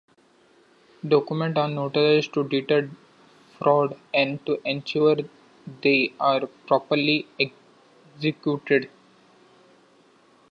Documents are notarized to deter fraud and to ensure they are properly executed.